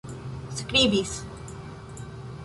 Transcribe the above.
skribis